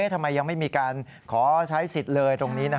ทำไมยังไม่มีการขอใช้สิทธิ์เลยตรงนี้